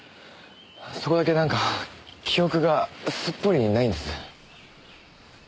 そこだけなんか記憶がすっぽりないんです。